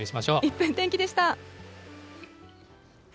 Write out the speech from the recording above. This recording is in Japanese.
１分天気でした。